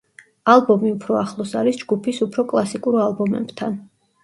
ალბომი უფრო ახლოს არის ჯგუფის უფრო კლასიკურ ალბომებთან.